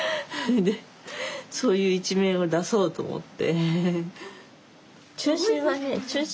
そういう一面を出そうと思って。